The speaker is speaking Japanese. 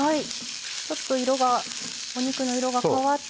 ちょっとお肉の色が変わったら。